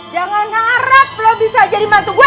jangan harap lo bisa jadi mantu gue